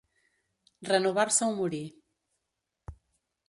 Renovar-se o morir.